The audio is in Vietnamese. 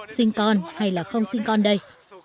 sinh con hay là không sinh con đây